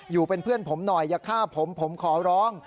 อยู่เป็นเพื่อนผมหน่อยอย่าฆ่าผมผมขอร้อง